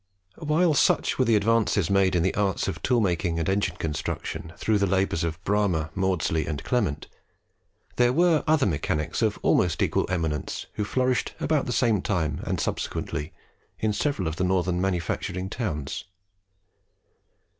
While such were the advances made in the arts of tool making and engine construction through the labours of Bramah, Maudslay, and Clement, there were other mechanics of almost equal eminence who flourished about the same time and subsequently in several of the northern manufacturing towns.